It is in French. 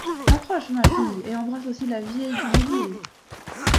Approche, ma fille, et embrasse aussi la vieille Dumesnil !